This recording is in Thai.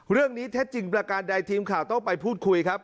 เท็จจริงประการใดทีมข่าวต้องไปพูดคุยครับ